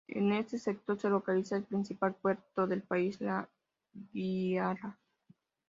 En este sector se localiza el principal puerto del país, La Guaira.